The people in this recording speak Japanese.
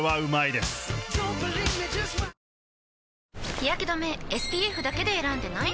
日やけ止めＳＰＦだけで選んでない？